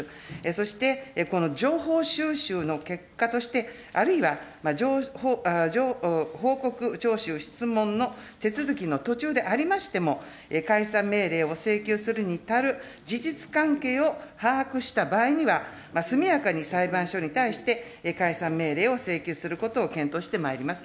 そして、この情報収集の結果として、あるいは報告聴取質問の手続きの途中でありましても、解散命令を請求するに足る事実関係を把握した場合には、速やかに裁判所に対して解散命令を請求することを検討してまいります。